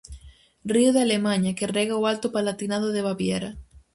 Río de Alemaña que rega o Alto Palatinado de Baviera.